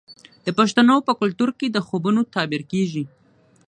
د پښتنو په کلتور کې د خوبونو تعبیر کیږي.